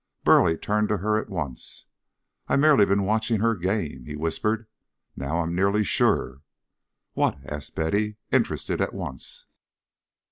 Burleigh turned to her at once. "I've merely been watching her game," he whispered. "Now, I'm nearly sure." "What?" asked Betty, interested at once.